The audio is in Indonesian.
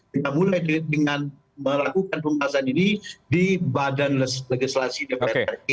kita mulai dengan melakukan pembahasan ini di badan legislasi dpr ri